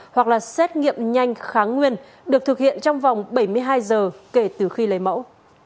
hoặc là xét nghiệm nhanh kháng nguyên được thực hiện trong vòng bảy mươi hai giờ kể từ khi lấy mẫu